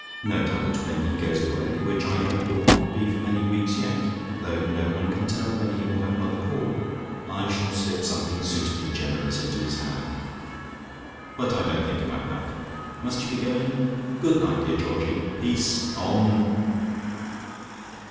No doubt when he goes away, which I hope will not be for many weeks yet, though no one can tell when he will have another call, I shall slip something suitably generous into his hand, but I don't think about that. Must you be going? Good night, dear Georgie. Peace! Om!"